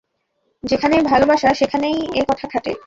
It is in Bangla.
যেখানেই ভালবাসা, সেখানেই এ-কথা খাটে।